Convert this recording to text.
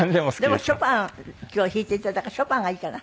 でもショパン今日は弾いて頂いたからショパンがいいかな。